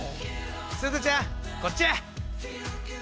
すずちゃんこっちや！